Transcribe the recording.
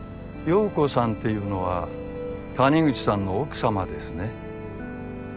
葉子さんっていうのは谷口さんの奥様ですね。